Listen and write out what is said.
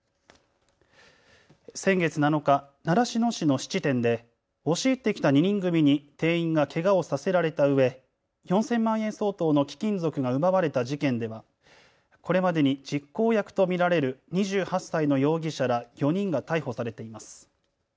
先月７日、習志野市の質店で押し入ってきた２人組に店員がけがをさせられたうえ４０００万円相当の貴金属が奪われた事件ではこれまでに実行役と見られる２８歳の容疑者ら４人が逮捕されています。